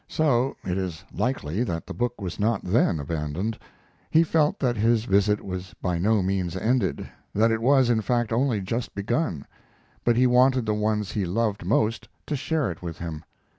So it is likely that the book was not then abandoned. He felt that his visit was by no means ended; that it was, in fact, only just begun, but he wanted the ones he loved most to share it with him.